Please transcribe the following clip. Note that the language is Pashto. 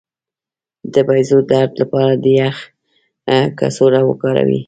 د بیضو د درد لپاره د یخ کڅوړه وکاروئ